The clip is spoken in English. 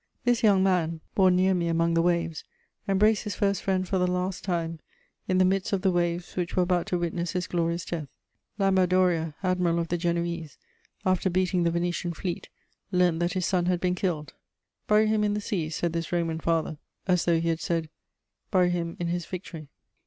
This young man, born near me among the waves, embraced his first friend for the last time in the midst of the waves which were about to witness his glorious death. Lamba Doria, admiral of the Genoese, after beating the Venetian fleet, learnt that his son had been killed: "Bury him in the sea," said this Roman father, as though he had said, "Bury him in his victory."